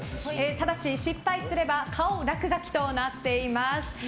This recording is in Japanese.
ただし失敗すれば顔落書きとなっています。